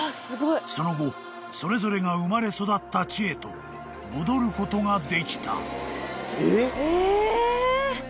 ［その後それぞれが生まれ育った地へと戻ることができた］えっ！？